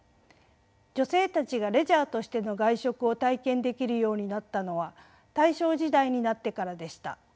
女性たちがレジャーとしての外食を体験できるようになったのは大正時代になってからでした。